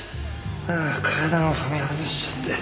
ああ階段を踏み外しちゃって。